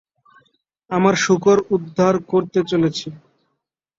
আমার শূকর উদ্ধার করতে চলেছি।